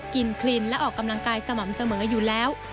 คลินและออกกำลังกายสม่ำเสมออยู่แล้ว